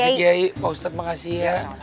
makasih pak ustadz makasih ya